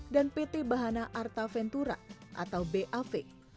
dan pt bahana arta ventura atau bav